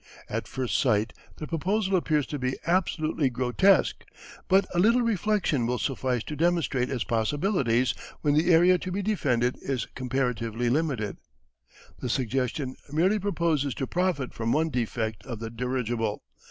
At first sight the proposal appears to be absolutely grotesque, but a little reflection will suffice to demonstrate its possibilities when the area to be defended is comparatively limited. The suggestion merely proposes to profit from one defect of the dirigible.